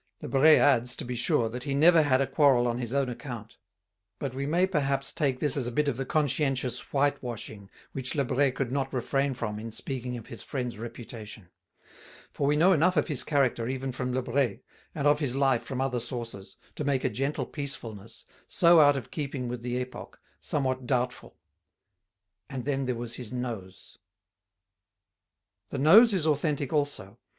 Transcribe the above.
Lebret adds, to be sure, that he never had a quarrel on his own account, but we may perhaps take this as a bit of the conscientious "white washing" which Lebret could not refrain from in speaking of his friend's reputation; for we know enough of his character even from Lebret, and of his life from other sources, to make a gentle peacefulness, so out of keeping with the epoch, somewhat doubtful; and then there was his nose. The Nose is authentic also.